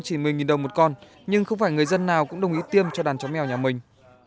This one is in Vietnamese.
chỉ một mươi đồng một con nhưng không phải người dân nào cũng đồng ý tiêm cho đàn chó mèo nhà mình